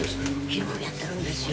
昼もやってるんですよ。